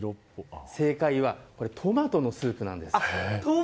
正解は、トマトのスープなんです。